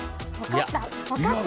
分かった！